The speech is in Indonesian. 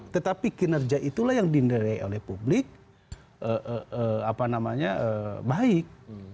tetapi kinerja itulah yang dinilai oleh publik apa namanya baik